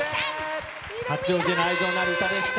八王子の愛情のある歌でした。